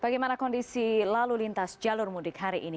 bagaimana kondisi lalu lintas jalur mudik hari ini